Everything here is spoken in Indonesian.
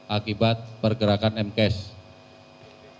akibat pergerakan m cache